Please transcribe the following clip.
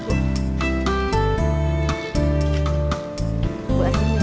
fotonya bagus banget